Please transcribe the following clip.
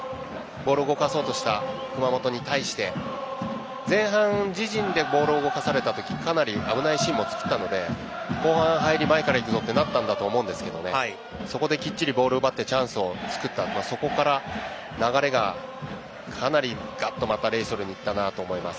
ボールを動かそうとした熊本に対して前半、自陣でボールを動かされた時かなり危ないシーンも作ったので後半の入り前から行くぞとなったのでそこできっちりボールを奪ってチャンスを作って、そこからかなりまたレイソルに行ったなと思います。